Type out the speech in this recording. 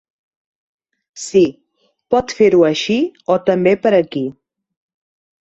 Sí, pot fer-ho així o també per aquí.